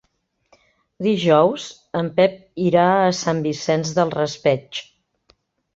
Dijous en Pep irà a Sant Vicent del Raspeig.